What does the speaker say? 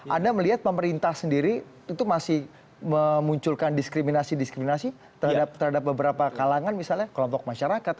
anda melihat pemerintah sendiri itu masih memunculkan diskriminasi diskriminasi terhadap beberapa kalangan misalnya kelompok masyarakat